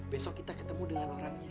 besok kita ketemu dengan orangnya